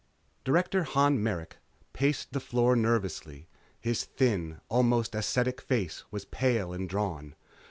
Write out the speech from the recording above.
_ Director Han Merrick paced the floor nervously. His thin, almost ascetic face was pale and drawn.